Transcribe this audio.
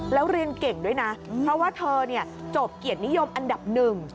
แล้วเรียนเก่งด้วยนะเพราะว่าเธอจบเกียรตินิยมอันดับหนึ่ง